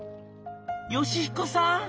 「佳彦さん